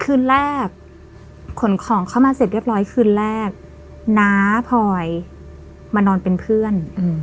คืนแรกขนของเข้ามาเสร็จเรียบร้อยคืนแรกน้าพลอยมานอนเป็นเพื่อน